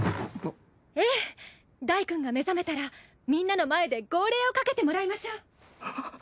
ええダイくんが目覚めたらみんなの前で号令をかけてもらいましょう。